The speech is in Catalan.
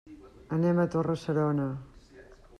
Anem a Torre-serona.